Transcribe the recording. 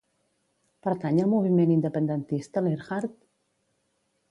Pertany al moviment independentista l'Erhard?